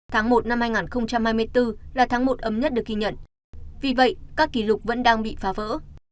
tháng một năm hai nghìn hai mươi bốn là tháng một ấm nhất được ghi nhận vì vậy các kỷ lục vẫn đang bị phá vỡ